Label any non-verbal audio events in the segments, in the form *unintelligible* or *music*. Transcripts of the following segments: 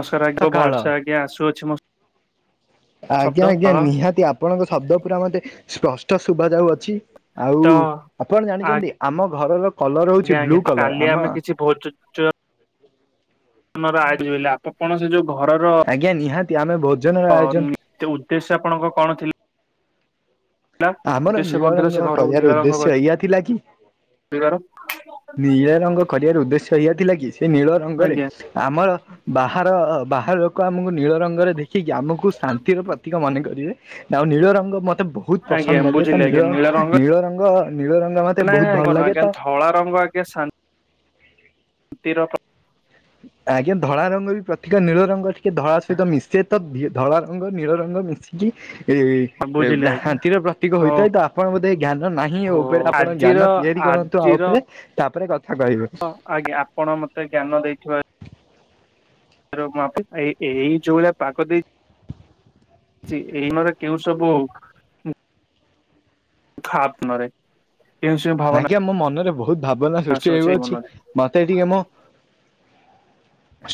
ନମସ୍କାର *unintelligible* ସକାଳ। ଭ‌ଏସେ ଆଜ୍ଞା ଆସୁଅଛି ମୋ *unintelligible* ଆଜ୍ଞା ଶବ୍ଦ ଆଜ୍ଞା କଳ ନିହାତି ଆପଣଙ୍କ ଶବ୍ଦ ପୁରା ମତେ ସ୍ପଷ୍ଟ ଶୁଭାଯାଉ ଅଛି। ତ ଆଉ ଆପଣ ଜାଣିଚନ୍ତି ଆମ ଘରର କଲର ହୋଉଚି ଆଜ୍ଞା ଆଜ୍ଞା ବ୍ଲୁ କଲର। କାଲି ଆମ *unintelligible* ଆମର ଆଇଚି ବୋଲି ଆ-ଆପଣ ସେ ଯୋଉ ଘରର ଆଜ୍ଞା ନିହାତି ଆମେ ଭୋଜନର ଆୟୋଜନ୍ ସେ ଉଦ୍ଦେଶ୍ୟ ଆପଣଙ୍କ କଣ ଥି ଲା ଆମର ଯେ ସେ ନୀଳ କୋଉଥିଲା ରଙ୍ଗ ସେ ଘରକୁ କରିବାର ନୀଳ ରଙ୍ଗ ଉଦ୍ଦେଶ୍ୟ ଏଇଆ ଥିଲା କି କରିବାର ନୀଳ ରଙ୍ଗ କରିବାର ଉଦ୍ଦେଶ୍ୟ ଏଇଆ ଥିଲା କି ସେ ନୀଳ ରଙ୍ଗରେ ଆଜ୍ଞା ଆମର ବାହାର ବାହାର ଆମକୁ ନୀଳ ରଙ୍ଗରେ ଦେଖିକି ଆମକୁ ଶାନ୍ତିର ପ୍ରତୀକ ମନେ କରିବେ, ଆଉ ନୀଳ ରଙ୍ଗ ମତେ ବୋ ବୋହୁତ୍ ଆଜ୍ଞା ପସନ୍ଦ ଲାଗେ ତ ବୁଝିଲି ଆଜ୍ଞା ନୀଳ ରଙ୍ଗ ନୀଳ ରଙ୍ଗ ନୀଳ ରଙ୍ଗ ମତେ ନାଇଁ ବୋହୁତ୍ ଭଲ ନାଇଁ ଲାଗେ ଆଜ୍ଞା ତ ଧଳା ରଙ୍ଗ ତତିର ଆଜ୍ଞା ଧଳା ରଙ୍ଗ ବି ପ୍ରତି ନୀଳ ରଙ୍ଗ ଟିକେ ଧଳା ସହିତ ମିଶେ ତ ଧଳା ରଙ୍ଗ ନୀଳ ରଙ୍ଗ ମିଶିକି ଏ ବୁଝିଲି ଆଜ୍ଞା ଶାନ୍ତିର ପ୍ରତୀକ ହଉ ହୋଇଥାଏ ତ ଆପଣ ବୋଧେ ଜ୍ଞାନ ନାହିଁ ହଉ ଉପରେ ଆପଣ ଆଜିର ଜ୍ଞାନ ତିଆରି କରନ୍ତୁ ଆଉ ଆଜିର ଉପରେ। ତାପରେ କଥା କହିବେ। ଆଜ୍ଞା ଆପଣ ମତେ ଜ୍ଞାନ ଦେଇଥିବା *unintelligible* ଏଇ ଯୋଉ ଭଳିଆ ପାଗ ଦେଇ ଏଇ ମର କେଉ ସବୁ ଖପ ମରେ ଆଜ୍ଞ ମୋ ମନରେ ବହୁତ୍ ଭାବନା ସୃଷ୍ଟି ଆସୁଅଛି ହେଇଅଛି। ମନରେ ମତେ ଏଠିକ ମୋ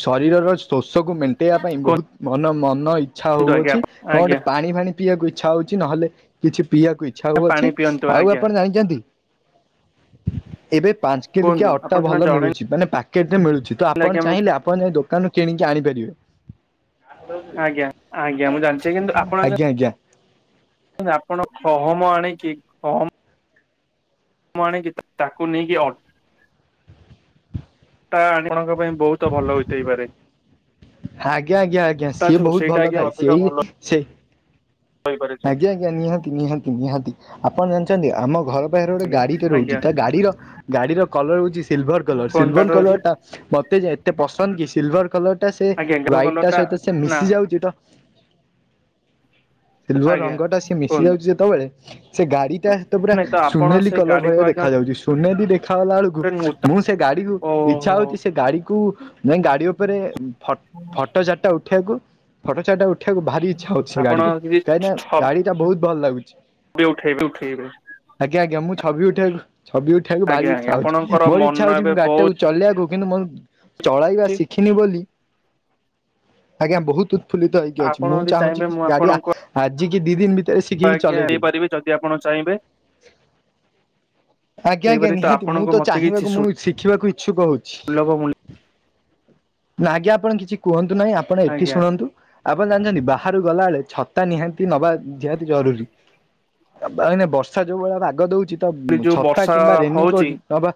ଶରୀରର ଶୋଷକୁ ମେଣ୍ଟେଇବା ପାଇଁ ବୋହୁତ୍ ମନ ମନ ଇଚ୍ଛା କୁହନ୍ତୁ ଆଜ୍ଞା ହଉଅଛି କଣ ଗୋଟେ ଆଜ୍ଞା ପାଣି ଫାଣି ପିଇବାକୁ ଇଚ୍ଛା ହଉଛି ନହେଲେ କିଛି ପିଇକୁଇଛା ଛା ହଉ ପାଣି ଅଛି ପିଅନ୍ତୁ ଆଉ ଆଜ୍ଞା ଆପଣ ଜାଣିଛନ୍ତି। ଏବେ ପାଞ୍ଚ କିଲିକିଆ କୁହନ୍ତୁ ଅଟା ଆପଣ ସିନା ଭଲ ଜଣେଇଲେ ମିଳୁଛି ମାନେ ପ୍ୟାକେଟରେ ମିଳୁଛି ତ ଆଜ୍ଞା ଆପଣ ମୁଁ ଚାହିଁଲେ ଆପଣ ଦୋକାନରୁ କିଣିକି ଆଣିପାରିବେ। ଆଜ୍ଞା ଆଜ୍ଞା ମୁଁ ଜାଣିଛି କିନ୍ତୁ ଆପଣଙ୍କ ଆଜ୍ଞା ଆଜ୍ଞା ଆପଣ ଗହମ ଆଣିକି ଗହମ ଆଣିକି ତାକୁ ନେଇକି ତା ଆଣଙ୍କ ପାଇଁ ବହୁତ ଭଲ ହୋଇଥାଇପାରେ। ଆଜ୍ଞା ଆଜ୍ଞା ଆଜ୍ଞା ସିଏ ତାଠୁ ବହୁତ ସେଇଟା ଭଲ ଆଜ୍ଞା ଥାଏ ଅଧିକ ଭଲ ସିଏ ସେ *unintelligible* ଆଜ୍ଞା ଆଜ୍ଞା ନିହାତି ନିହାତି ନିହାତି ଆପଣ ଜାଣିଛନ୍ତି ଆମ ଘର ପାରେ ଗୋଟେ ଆଜ୍ଞା ଗାଡି ଟେ ଆଜ୍ଞା ରହୁଛି ତା ଗାଡିର ଗାଡି ର କଲର ହଉଛି ସିଲଭର କଲର କଣ କାର୍ଡ ସିଲଭର ରହୁଛି କଲର ଟା ମତେ ଯେ ଏତେ ପସନ୍ଦ କି ସିଲଭର କଲର ଟା ସେ ଆଜ୍ଞା ଗ୍ରହ କଲର ହ୍ଵାଇଟ ଟା ସହିତ ସେ ନା ମିଶି ଯାଉଛି ତ ସିଲଭର ଆଜ୍ଞା ରଙ୍ଗଟା ସିଏ ମିଶି ଯାଉଛି କୁହନ୍ତୁ ଯେତେବେଳେ ସେ ଗାଡି ଟା ତ ପୁରା ନାଇଁ ଆପଣ ସୁନେଲି ସେ କଲର ଗାଡିକୁ ଭଳିଆ ଆଜ୍ଞା ଦେଖା ଯାଉଛି। ସୁନେଲି ଦେଖାାଗଲା ବେଳକୁ ମୁଁ ସେ ଗାଡିକୁ ଇଛା ଓହୋ ହଉଛି ସେ ଗାଡି କୁ, ଯାଇ ଗାଡି ଉପରେ ଫଟୋ ଚାରିଟା ଉଠେଇବାକୁ, ଫଟୋ ଚାରିଟା ଉଠେଇବାକୁ ଭାରି ଇଚ୍ଛା ହଉଛି ସେ ଆପଣ ଗାଡି ରେ କାହିଁକି ନା ଯଦି ଗାଡି ଟା ବୋହୁତ୍ ଭଲ ଲାଗୁଛି। *unintelligible* ଆଜ୍ଞା ଆଜ୍ଞ ମୁଁ ଛବି ଉଠାଇବାକୁ, ଛବି ଉଠାଇବାକୁ ଭାରି ଆଜ୍ଞା ଆଜ୍ଞା ଇଚ୍ଛା ହଉଛି। ଆପଣଙ୍କର ମୋର ଇଚ୍ଛା ମନ ହଉଛି ଏବେ ମୁ ଗାଡି ଟାକୁ ବହୁତ ଚଲେଇିବାକୁ କିନ୍ତୁ ମୁଁ ଚଳେଇବା ଶିଖିନି ବୋଲି ଆଜ୍ଞା ବୋହୁତ୍ ଫୁଲିତ ହେଇକି ଅଛି ଆପଣ ମୁଁ ଯଦି ଚାହୁଁଛି ଚାହିଁବେ ମୁଁ ଗାଡି ଆପଣଙ୍କୁ ଆଜିିକି ଦି ଦିନ ଭିତରେ ଶିଖିକି ଆଜ୍ଞା ଚଲେଇଦେବି। ହେପାରିବି ଯଦି ଆପଣ ଚାହିଁବେ। ଆଜ୍ଞା ଆଜ୍ଞା କେହିପରି ତ ନିହାତି ମୁଁ ଆପଣଙ୍କୁ ତ ମତେ କିଛି ଚାହିଁବାକୁ ମୁଁ ଶିଖିବାକୁ ଇଚ୍ଛୁକ ହଉଛି। ସୁଲଭ ମୂଲ୍ୟ ନା ଆଜ୍ଞା ଆପଣ କିଛି କୁହନ୍ତୁ ନାହିଁ ଆପଣ ଏଠି ଆଜ୍ଞା ଶୁଣନ୍ତୁ। ଆପଣ ଜାଣିଛନ୍ତି ବାହାରୁ ଗଲାବେେଳେ ଛତା ନିହାତି ନବା ନିହାତି ଜରୁରୀ। ଏ ବର୍ଷା ଯୋଉ ଭଳିଆ ଭାଗ ଦଉଛି ତ ଏ ଯୋଉ ଛତା ବର୍ଷା କିମ୍ବା ହଉଛି ରେନିକୋଟ ନବା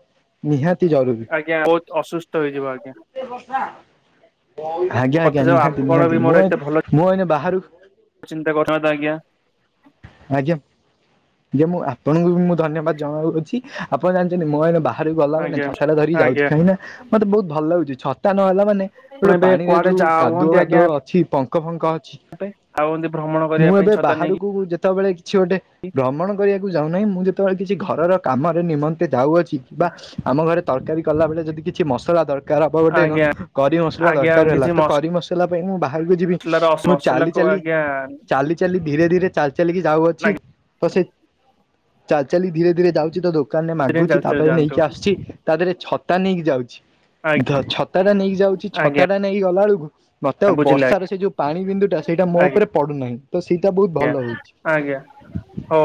ନିହାତି ଜରୁରି। ଆଜ୍ଞା ବହୁତ ଅସୁସ୍ଥ ହେଇଯିବ ଆଜ୍ଞା ଆଜ୍ଞା ଆଜ୍ଞା। କଥା ଯାଉ ନିହାତି ଆପଣ ନିହାତି ବି ମୋର ମୁଁ ଏତେ ଭଲ ମୁଁ ଏନ ବାହାରୁ ଚିନ୍ତା କରିଥାନ୍ତି ଆଜ୍ଞା। ଆଜ୍ଞା ଆଜ୍ଞା। ଯେ ମୁଁ ଆପଣଙ୍କୁ ବି ମୁଁ ଧନ୍ୟବାଦ ଜଣାଉଅଛି ଆପଣ ଜାଣିଛନ୍ତି ମୋ ଏ ବା ହାରିକି ଗଲା ମାନେ ଆଜ୍ଞା ଛତା ଟା ଧରିି ଆଜ୍ଞା ଯାଉଛି କାହିଁକ ନା ମତେ ବହୁତ ଭଲ ଲାଗୁଛି ଛତା ନ ହେଲା ମାନେ ଆପଣ ଳେ ଏବେ ପାଣିରେ କୁଆଡେ ଯୋଉ କାଦୁଅ ଫାଦୁଅ ଅଛି ପଙ୍କ ଫଙ୍କ ଅଛି ଆଉ ଯଦି ଭ୍ରମଣ କରିବା ପାଇଁ ଛତା ନେଇକି ମୁ ଯେତେବେଳେ କିଛି ଗୋଟେ ଭ୍ରମଣ କରିବାକୁ ଯାଉନାହିଁ। ମୁଁ ଯେତେବେଳେ କିଛି ଘରର କାମର ନିମନ୍ତେ ଯାଉଅଛି ବାଃ ଆମ ଘରେ ତରକାରୀ କଲା ବଳେ ଯଦି କିଛି ମସଲା ଦର ଗୋଟେ ଆଜ୍ଞା କରି ମସଲା ଆଜ୍ଞା ଦରକାର ହେଲା କିଛି ତ କରି ମସ ମୁଁ ବାହାରକୁ ଯିବି ମସଲାର ମୁଁ ଚାଲି ମସଲାକୁ ଚାଲି ଆଜ୍ଞା ଚାଲି ଆକଚୁଆଲି ଧୀରେ ଧୀରେ ଚାଲି ଚାଲିକି ଯାଉଅଛି ତ ସେ ଚାଲି ଚାଲି ଧୀରେ ଧୀରେ ଯାଉଛି ତୋ ଦୋକାନରେ ଚାଲି ମାଗୁଛି ଚାଲି ତାପରେ ଯାଆନ୍ତୁ ନେଇକି ଆସୁଛି ତା ଦେହରେ ଛତା ନେଇକି ଯାଉଛି। ଆଜ୍ଞା ଛତା ଟା ନେଇକି ଯାଉଛି ଆଜ୍ଞା ଛତା ଟା ନେଇ ଗଲା ବେଳକୁ ମତେ ଆଉ ବୁଝିଲେ ବର୍ଷାର ସେ ଯଉ ପାଣି ବିନ୍ଦୁ ଟା ସେଇଟା ମୋ ଉପରେ ପଡୁନାହିଁ ତ ସେଇଟା ବହୁତ ଭଲ ଆଜ୍ଞା ହଉଛି। ଆଜ୍ଞା। ହଁ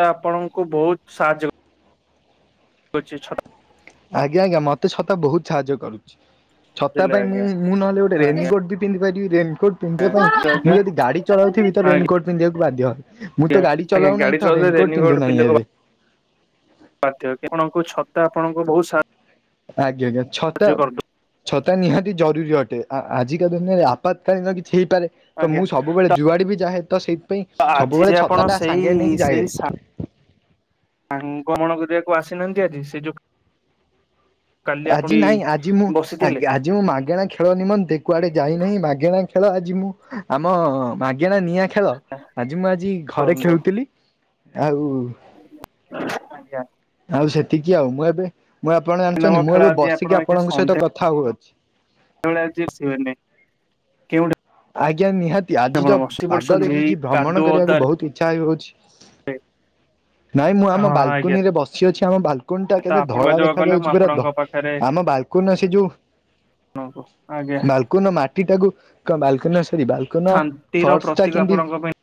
ତ ଆପଣଙ୍କୁ ବହୁତ ସାହାଯ୍ୟ ରୁଛି ଛଟ *inaudible* ଆଜ୍ଞା ଆଜ୍ଞା ମତେ ଛତା ବହୁତ ସାହାଯ୍ୟ କରୁଛି, ଛତା ବୁଝିଲେ ପାଇଁ ମୁଁ ଆଜ୍ଞା ମୁଁ ନହେଲେ ଗୋଟେ ରେଇନ୍ ଆଜ୍ଞା କୋଟ ବି ପିନ୍ଧି ପାରିବି ରେଇନକୋଟ୍ ପିନ୍ଧିବା ପାଇଁ ମୁଁ ଆଜ୍ଞା ଯଦି ଗାଡ଼ି ଚଳାଉଥିବି ତ ଆଜ୍ଞା ରେଇନକୋଟ୍ ପିନ୍ଧିବାକୁ ବାଧ୍ୟ। ମୁଁ ତ ଗାଡ଼ି ଆଜ୍ଞା ଚଲାଉ ଗାଡି ନାହିଁ ତ ଚଳେଇଲେ ରେଇନକୋଟ୍ ପିନ୍ଧୁ ନାହିଁ ଏବେ। କଣ ଆପଣଙ୍କ ଛତା ଆପଣଙ୍କ ବହୁତ ସା ଆଜ୍ଞା ଆଜ୍ଞା ଛତା ଛତା ନିହାତି ଜରୁରୀ ଅଟେ, ଆଜିକା ଦିନରେ ଆପାତକାଳୀନ କିଛି ହେଇପାରେ। ତ ଆଜ୍ଞା ମୁଁ ସବୁବେଳେ ଯୁଆଡ଼େ ବି ଯାହେ ତ ସେଇଥିପାଇଁ ଆଜି ଯେ ସବୁବେଳେ ଆପଣ ଛତା ଟା ସେଇ ସାଙ୍ଗେ ନେଇକି ଯାଏ। ଗମନ କରିବାକୁ ଆସିନାହାନ୍ତି ଆଜି, ସେ ଯଉ ଆଜି ନାଇଁ ଆଜି ମୁଁ ବସିଥିଲେ ଆଗା ଆ ଯେଉଁ ମାଗେଣା ଖେଳ ନିମନ୍ତେ କୁଆଡ଼େ ଯାଇନି ମାଗେଣା ଖେଳ ଆଜି ମୁଁ ଆମ ମାଗେଣା ନିଆଁ ଖେଳ ଆଜି ମୁଁ ଆଜି ଘରେ କୁହନ୍ତୁ ଖେଳୁଥିଲି ଆଉ ଆଜ୍ଞା *inaudible* ଆଉ ସେତିକି ଆଉ ମୁଁ ଏବେ ମୁଁ ଆପଣ ନବ ଜାଣିଛନ୍ତି ମୁଁ ଖେଳ ଏବେ ଆଜି ଆପଣ ବସିକି ଆପଣଙ୍କ ସହିତ କଥା ହଉଅଛି। ମାନେ ଆଜି ଆସିବେନି କେଉଟା ଆଜ୍ଞା ନିହାତି ଆଜି ତ ପାଗ ପଡୁଛନ୍ତି ଏଇ ଦେଖିକି ଭ୍ରମଣ କାଦୁଅ କରିବାକୁ ଓଦାରେ ବହୁତ ଇଚ୍ଛା ହେଉଅଛି। ନାଇଁ ମୁଁ ଆମ ହଁ ଆଜ୍ଞା ବାଲକୁନି ରେ ବସି ଅଛି ଆମ ବାଲ ବାଲକୁନି ଟା ତ କେବେ ଆପଣ ଧଳା ଯୋଗ କଲେ ମୁଁ ଦେଖାଯାଉଛି ଆପଣଙ୍କ ପୁରା ପାଖରେ ଆମ ବାଲକୁନି ସେ ଯଉ ହ ହଉ ଆଜ୍ଞା କୁନି ମାଟି ଟାକୁ କ ବାଲକୁନି ସରି ବାଲକୁନି ଶାନ୍ତିର ଫର୍ସ ଟା ପ୍ରତୀକ କେମତି ଆପଣଙ୍କ ପାଇଁ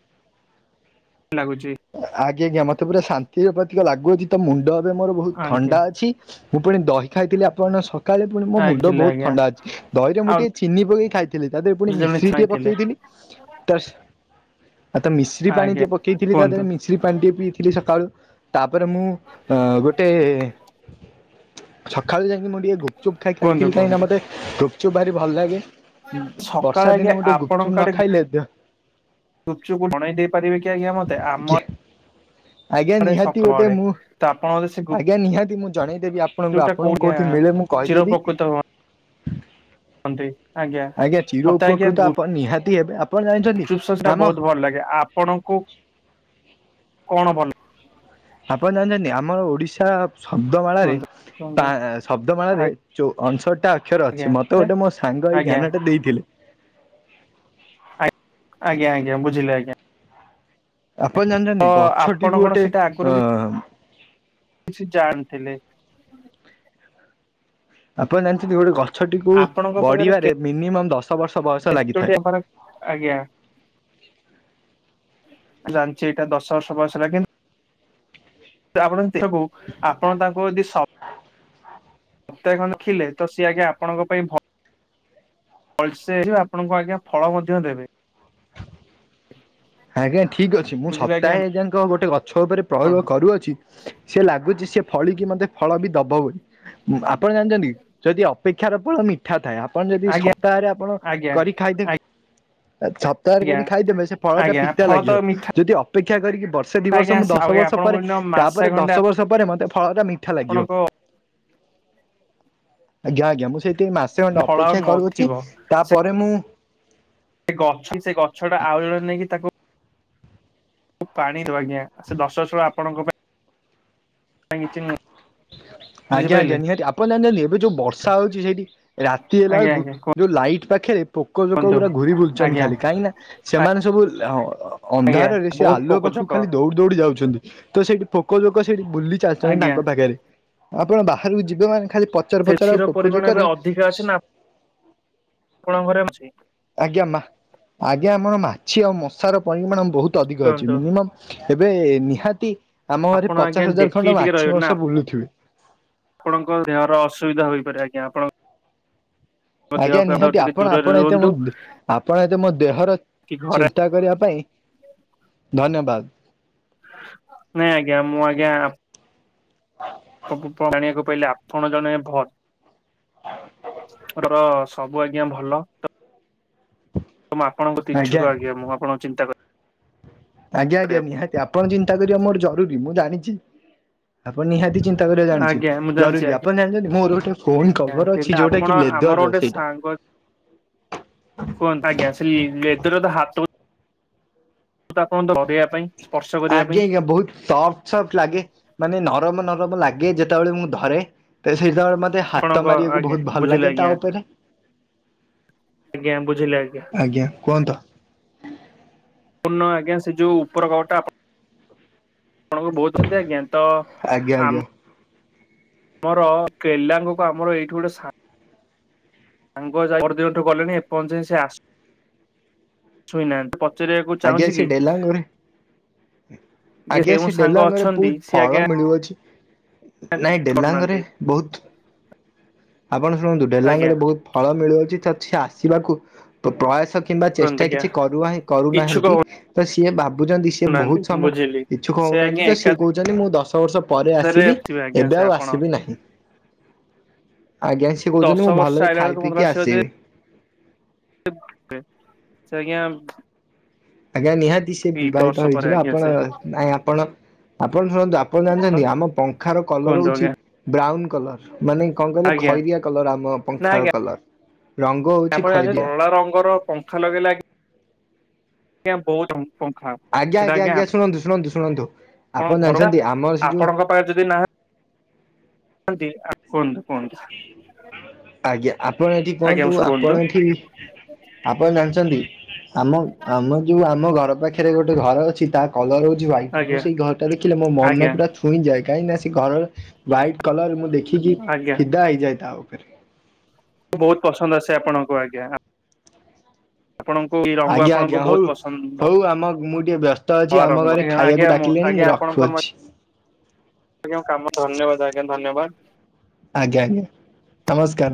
ଲାଗୁଛି। ଆଜ୍ଞା ଆଜ୍ଞା ମତେ ପୁରା ଶାନ୍ତିର ପ୍ରତିକ ଲାଗୁଅଛି ତ ମୁଣ୍ଡ ଏବେ ମୋର ବହୁତ ଆଜ୍ଞା ଥଣ୍ଡା ଅଛି। ମୁଁ ପୁଣି ଦହି ଖାଇଥିଲି ଆପଣଙ୍କ ସକାଳେ ପୁଣି ମୋ ମୁଣ୍ଡ ଆଜିଲା ବହୁତ ଆଜ୍ଞା ଥଣ୍ଡା ଅଛି। ଦହିରେ ମୁଁ ଆଉ ଟିକେ ଚିନି ପକେଇ ଖାଇଥିଲି ତା ଦେହରେ ପୁଣି ଜଣେ ମିଶ୍ରୀ ଟିକେ ଛୁଇଁଥିଲେ ପକେଇଥିଲି। ତସ୍‌ ଆ ତ ମିଶ୍ରୀ ଆଜ୍ଞା ପାଣିଟିଏ ପକେଇଥିଲି ତା କୁହନ୍ତୁ ଦେହରେ ମି ମିଶ୍ରି ପାଣିଟିକେ ପିଇଥିଲି ସକାଳୁ ତାପରେ ମୁଁ ଗୋଟେ ସକାଳେ ଯାଇକି ମୁଁ ଟିକେ ଗୁପଚୁପ୍ କୁହନ୍ତୁ ଖାଇଥିଲି କାହିଁକି ନା କୁହନ୍ତୁ ମତେ ଗୁପଚୁପ୍ ଭାରି ଭଲ ଲାଗେ। ସକାଳେ ବର୍ଷା ଆଜ୍ଞା ଦିନେ ମୁଁ ଟିକେ ଗୁପଚୁପ୍ ନ ଖାଇଲେ ଦ ଗୁପ୍‌ଚୁପ୍‌କୁ ବନେଇ ଦେଇ ପାରିବେ କି ଆଜ୍ଞା ମତେ ଆଜ୍ଞା ଆମ ଆଜ୍ଞା ଆଡେ ନିହାତି ସକାଳ ଗୋଟେ ଆଡେ ମୁଁ ତ ଆପଣ ମତେ ସେ ଗୁପଚୁପ୍ ଆଜ୍ଞା ନିହାତି ମୁଁ ଜଣେଇଦେବି ଆପଣଙ୍କୁ ଟା ଆପଣଙ୍କୁ କୋଉଠି କଉଠି ମିଳେ ମୁଁ କହିଦେବି। ଚିରପକୃତ ଆଜ୍ଞା। ଯଉ ମତେ ଉପକୃତ ଆପଣ ନିହାତି ହେବେ ଆପଣ ଜା ଚୁପ୍ ସେଟା ବହୁତ ଭଲ ଲାଗେ ଆପଣଙ୍କୁ କଣ ଭଲ ଲେ ଆପଣ ଜାଣିଛନ୍ତି ଆମର ଓଡିଶା ଶବ୍ଦ ମାଳାରେ କୁହନ୍ତୁ କୁହନ୍ତୁ ଶବ୍ଦମାଳାରେ ଯଉ ଅଣଷଠଟା ଅକ୍ଷର ଆଜ୍ଞା ଅଛି ମତେ ଆଜ୍ଞା ଗୋଟେ ମୋ ସାଙ୍ଗ ଏଇ ଆଜ୍ଞା ଜ୍ଞାନଟା ଦେଇଥିଲେ ଆ ଆଜ୍ଞା ଆଜ୍ଞା ବୁଝିଲେ ଆଜ୍ଞା ଆପଣ ଜାଣିଛନ୍ତି ତ ଗଛଟିକୁ ଆପଣ କଣ ଗୋଟେ ସେଇଟା ଅ ଆଗରୁ ବି କିଛି ଜାଣିଥିଲେ ଆପଣ ଜାଣିଛନ୍ତି ଗୋଟେ ଗଛଟିକୁ ଆପଣଙ୍କ ବଢିବାରେ ମିନିମମ୍ ଦଶ ବର୍ଷ ବୟ ସେଟି ଗୋଟେ ଆମ ଆଜ୍ଞା ଯାଣିଛି ଏଇଟା ଦଶ ବର୍ଷ ବୟସ ହେଲା କିନ୍ତୁ ଆପଣ ଦେଖୁ ଆପଣ ତାଙ୍କୁ ଯଦି ସ ସ *unintelligible* ତ ସିଏ ଆଜ୍ଞା ଆପଣଙ୍କ ପାଇଁ ଭଲ ଭଲସେ ଆପଣଙ୍କୁ ଆଜ୍ଞା ଫଳ ମଧ୍ୟ ଦେବେ ଆଜ୍ଞା ଠିକ୍ ଅଛି ମୁଁ ବୁଝିଲେ ଆଜ୍ଞା ସପ୍ତାହେ ଯାକ ଗୋଟେ ଗଛ ଉପରେ ଆପଣ ପ୍ରୟୋଗ କରୁଅଛି ସେ ଲାଗୁଛି ସି ଫଳିକି ମତେ ଫଳ ବି ଦବ ବୋଲି ଆପଣ ଜାଣିଛନ୍ତି ଯଦି ଅପେକ୍ଷାର ଫଳ ମିି ମିଠା ଥାଏ ଆପଣ ଯଦି ଆଜ୍ଞା ସପ୍ତାହରେ ଆପଣ ଆଜ୍ଞା କରି ଖାଇଦେବେ ସପ୍ତାହରେ ଆଜ୍ଞା କରି ଖାଇଦେବେ ସେ ଫଳା ଆଜ୍ଞା ପିତା ଫଳ ତ ଲାଗିବ ମିଠା ଯଦି ଅପେକ୍ଷା କରିକି ବ ବର୍ଷେ ଦି ବର୍ଷ ଆଜ୍ଞା ମୁଁ ଆସି ଦଶ ଆଜ୍ଞା ବର୍ଷ ଆପଣଙ୍କୁ ପରେ ଏଇନା ମାସେ ତାପରେ ଦଶ ଖଣ୍ଡେ ବର୍ଷ ପରେ ମତେ ଫଳ ଟା ମିଠା ଲାଗିବ ଆପଣଙ୍କ ଆଜ୍ଞା ଆଜ୍ଞା ମୁଁ ସେଇଠି ମାସେ ଖଣ୍ଡେ ଫଳ ଆଉ ଅପେକ୍ଷା କରୁଛି ନଥିବ ତା ପରେ ମୁଁ ସେ ଗଛ ସେ ଗଛ ଟା ଆଉ ଜଣେ ନେଇକି ତାକୁ ପାଣି ଦବ ଆଜ୍ଞା ସେ ଦଶ ବର୍ଷ ବେଳୁ ଆପଣଙ୍କ ପାଇଁ ଛି ଆଜ୍ଞା ଆଜ୍ଞା ନିହାତି ଆପଣ ଜାଣନ୍ତି ଏବେ ଯୋଉ ବର୍ଷା ହଉଛି ସେଇଠି ରାତି ହେଲା ଆଜ୍ଞା ବେଳକୁ ଆଜ୍ଞା ଯଉ ଲାଇଟ୍ ପାଖରେ ପୋକ ଜୋକ କୁହନ୍ତୁ ଗୁରା ଘୁରି ବୁଲଛନ୍ତି ଆଜ୍ଞା ଖାଲି କାହିଁକିନା ସେମାନେ ସବୁ ଆଜ୍ଞା ଅନ୍ଧାରରେ ସେ ବହୁତ ଆଲୁଅ ପାଖକୁ ପୋକଜୋକ ଖାଲି ଦୌଡି ଦୌଡି ଯାଉଛନ୍ତି ତ ସେଇଠି ଫୋକ ଜୋକ ସେଠି ବୁଲି ଚାଲିଛନ୍ତି ଆଜ୍ଞା ତାଙ୍କ ପାଖରେ ଆପଣ ବାହାରକୁ ଯିବେ ମାନେ ଖାଲି ପଚର ପଚର ଫେସି ଆଉ ର ପୋକ ପରିମାଣ ଏବେ ଜୋକରେ ଅଧିକା ଅଛି ନା ଆପଣ ଘରେ ଅଛି। ଆଜ୍ଞା ମା ଆଜ୍ଞା ଆମର ମାଛି ଆଉ ମଶାର ପରିମାଣ ବହୁତ ଅଧିକ ଅଛି କୁହନ୍ତୁ ମିନିମମ୍ ଏବେ ନିହାତି ଆମ ଘରେ ଆପଣ ଆଜ୍ଞା ପଚାଶ ହଜାର ଦେଖିକି ଖଣ୍ଡ ଟିକେ ମାଛି ରହିବେ ନା ମାଂସ ବୁଲୁଥିବେ। ଆପଣଙ୍କ ଦେହର ଅସୁବିଧା ହୋଇପାରେ ଆଜ୍ଞା ଆପଣ *inaudible* ଆଜ୍ଞା ନିହାତି ଟିକେ ଆପଣ ଦୂରରେ ଆପଣ ଏତେ ରୁହନ୍ତୁ ଆପଣ ଏତେ ମୋ ଆପଣ ମୋ ଦେହର ଚି କି ଘରେ ଚିନ୍ତା କରିବା ପାଇଁ ଧନ୍ୟବାଦ। ନାଇଁ ଆଜ୍ଞା ମୁଁ ଆଜ୍ଞା *inaudible* *unintelligible* ଜାଣିବାକୁ ପାଇଲି ଆପଣ ଜଣେ ଭଲ ତର ସବୁ ଆଜ୍ଞା ଭଲ *unintelligible* ଆପଣଙ୍କ ଇଛୁକ ଆଜ୍ଞା ମୁଁ ଆପଣ ଚିନ୍ତା କରଛି ଆଜ୍ଞା ଆଜ୍ଞା ନିହାତି ଆପଣ ଚିନ୍ତା କରିବା ମୋର ଜରୁରୀ ମୁଁ ଜାଣିଛି। ଆପଣ ନିହାତି ଚିନ୍ତା କରିବା ଜାଣିଚି ଆଜ୍ଞା ମୁଁ ଜାଣିଛି ଜରୁରୀ ଆଜ୍ଞା ଆପଣ ଜାଣିଛନ୍ତି ମୋର ଗୋଟେ ଫୋନ୍ କଭର ତେବେ ଅଛି ଯୋଉଟା ଆପଣ କି ଲେଦର ଆମର ର ଗୋଟେ ସେଇଟା ସାଙ୍ଗ କୁହନ୍ତୁ ଆଜ୍ଞା ସେଇ ଲେଦର ହାତ *unintelligible* ଧରେଇବା ପାଇଁ ସ୍ପର୍ଶ ଆଜ୍ଞା କରିବା ପାଇଁ ଆଜ୍ଞା ବହୁତ ସ ସଫ୍ଟ ଲାଗେ ମାନେ ନରମ ନରମ ଲାଗେ ଯେତେବେଳେ ମୁଁ ଧରେ ତ ସେତେବେଳେ ମତେ ମତେ ହାତ ଆପଣଙ୍କ ମାରିବାକୁ ଆଜ୍ଞା ବହୁତ ଭଲ ବୁଝିଲେ ଲାଗେ ଆଜ୍ଞା ତା ଉପରେ। ଆଜ୍ଞା ବୁଝିଲେ ଆଜ୍ଞା। ଆଜ୍ଞା କୁହନ୍ତ ପୂଣ ଆଜ୍ଞା ସେ ଯୋଉ ଉପର କବଟା ଆ ଆପଣ ବହୁଛନ୍ତି ଆଜ୍ଞା ତ ଆଜ୍ଞା ଆଜ୍ଞା ଆମ ଆମର କିଲ *unintelligible* ଆମର ଏଇଠି ଗୋଟେଗୋ ସାଙ୍ଗ ଯା ପହର ଦିନଠୁ ଗଲେଣି ଏପର୍ଯ୍ୟନ୍ତ ସେ ଆସି ଶୋଇନାହାନ୍ତି। ପଚାରିବାକୁ ଆଜ୍ଞା ଚାହୁଁଛି ସେ କି। ଡେଲାଙ୍ଗରେ ଆଜ୍ଞା କେଉଁ ସେ ସାଙ୍ଗ ଡେଲାଙ୍ଗରେ ଅଛନ୍ତି ବହୁତ ସେ ଆଜ୍ଞା ଫଳ ମିଳୁଅଛି ନାଇଁ ଡେଲାଙ୍ଗରେ କରୁନାହାନ୍ତି ବହୁତ। ଆପଣ ଶୁଣନ୍ତୁ ଡେଲାଙ୍ଗ ଆଜ୍ଞା ରେ ବହୁତ ଫଳ ମିଳୁଅଛି ତ ସେ ଆସିବାକୁ ପ୍ର ପ୍ରୟାସ। କିମ୍ବା କୁହନ୍ତୁ ଚେଷ୍ଟା ଆଜ୍ଞା କିଛି କରୁ ଇଚ୍ଛୁକ କରୁନାହାନ୍ତି ତ ସିଏ ଭାବୁଛନ୍ତି ସିଏ ହଉନାହାନ୍ତି ବହୁତ ସମୟ। ବୁଝିଲି। ଇଚ୍ଛୁକ ସେ ଆଜ୍ଞା ହଉନାହାନ୍ତି ତ ସିଏ କହୁଛନ୍ତି ମୁଁ ଦଶ ବର୍ଷ ପରେ ଏକାଥରେ ଆସିବି ଥିବେ ଆଜ୍ଞା ସେ ଏବେ ଆଉ ଆପଣ ଆସିବି ନାହିଁ। ଆଜ୍ଞା ସିଏ କହୁଛନ୍ତି ଦଶ ମୁଁ ବର୍ଷ ଭଲରେ ଆଇଲା ଖାଇ ବେଳକୁ ପିଇକି ଆସିବି। ସେ୍ଞା *inaudible* ଆଜ୍ଞା ନିହାତି ସେ ବର୍ଷ ବିବାହିତ ପରେ ହେଇଯିବ ଆଜ୍ଞା ଆପଣ ସେ ନାଇଁ ଆପଣ ଆପଣ ଶୁଣନ୍ତୁ। ଆପଣ ହଁ ଜାଣିଛନ୍ତି ଆମ ପଙ୍ଖାର କଲର କୁହନ୍ତୁ ହଉଛି ଆଜ୍ଞା ବ୍ରାଉନ କଲର୍। ମାନେ କଣ କହିଲେ ଆଜ୍ଞା ଖଇରିଆ କଲର ଆମ ପଙ୍ଖାର କଲର ରଙ୍ଗ। ହଉଛି ତାପରେ ଜାଣିଛନ୍ତି ଖଇରିଆ। କଳା ରଙ୍ଗର ପଙ୍ଖା ଲଗେଇଲେ। ଆଜ୍ଞା ବହୁତ ପଂଖା। ଆଜ୍ଞା ଆଜ୍ଞା ଆଜ୍ଞା ଶୁଣନ୍ତୁ ଶୁଣନ୍ତୁ ଶୁଣନ୍ତୁ ଆପଣଙ୍କ ଆପଣ ଘରଟା ଜାଣିଛନ୍ତି ଆମର ସେ ଯୋଉ। ଆପଣଙ୍କ ଯଦି ନାହା *unintelligible* ଆନ୍ତ *unintelligible* କୁହନ୍ତୁ ଆଜ୍ଞା ଆପଣ ଏଠି କୁହନ୍ତୁ ଆପଣ ଏଠି। ଆପଣ ଜାଣିଛନ୍ତି ଆମ ଆମ ଯୋଉ ଆମ ଘର ପାଖରେ ଗୋଟେ ଘର ଅଛି ତା। କଲର ହଉଛି ହ୍ୱାଇଟ ମୁଁ ଆଜ୍ଞା ସେଇ ଘରଟା ଦେଖିଲେ ମୋ ମନ ଆଜ୍ଞା ପୁରା। ଛୁଇଁ ଯାଏ କାହିଁକି ନା ସେ ଘର ହ୍ୱାଇଟ୍ କଲର ମୁଁ ଦେଖିକି ଆଜ୍ଞା ଫିଦା ହେଇଯାଏ ତା ଉପରେ। ମୁଁ ବହୁତ ପସନ୍ଦ ଆସେ ଆପଣଙ୍କୁ ଆଜ୍ଞା। ଆପଣଙ୍କୁ ଏଇ ରଙ୍ଗ ଆପଣଙ୍କୁ ବହୁତ ପସନ୍ଦ। କୁ ଆମ ମୁଁ ଟିକେ ବ୍ୟସ୍ତ ଅଛି। ଆମ କଳାରଙ୍ଗ ଘରେ ଆର ଖାଇବାକୁ ଆଜ୍ଞା ମୁଁ ଡାକିଲେଣି ଆଜ୍ଞା ରଖୁଅଛି ଆପଣଙ୍କର। ଆଜ୍ଞା କାମ ଧନ୍ୟବାଦ ଆଜ୍ଞା ଧନ୍ୟବାଦ। ଆଜ୍ଞା ଆଜ୍ଞା ନମସ୍କାର।